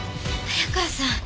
早川さん！